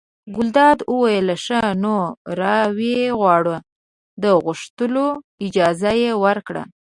ګلداد وویل ښه! نو را ویې غواړه د غوښتلو اجازه یې ورکړه.